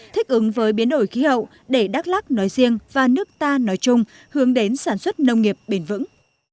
thích ứng với biến đổi khí hậu để đắk lắc nói riêng và nước ta nói chung hướng đến sản xuất nông nghiệp bền vững